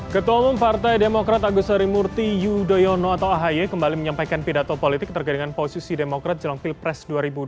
ketua umum partai demokrat agus harimurti yudhoyono atau ahy kembali menyampaikan pidato politik terkait dengan posisi demokrat jelang pilpres dua ribu dua puluh